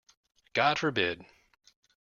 God forbid!